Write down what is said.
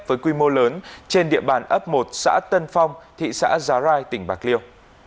với quy mô lớn trên địa bàn ấp một xã tân phong thị xã giá rai tỉnh bạc liêu